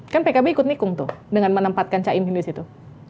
kan pkb ikut nikung tuh dengan menempatkan caimin di situ